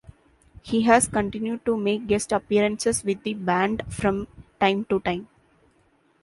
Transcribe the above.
He has continued to make guest appearances with the band from time to time.